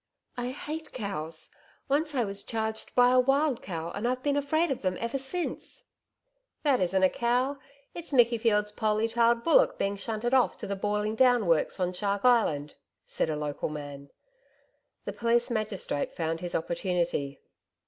'I hate cows. Once I was charged by a wild cow and I've been afraid of them ever since.' 'That isn't a cow. It's Mickey Field's poley tailed bullock being shunted off to the Boiling Down Works on Shark Island,' said a local man. The police magistrate found his opportunity.